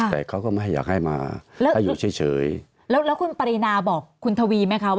แต่เขาก็ไม่อยากให้มา